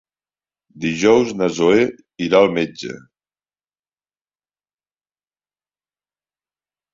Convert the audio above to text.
Dijous na Zoè irà al metge.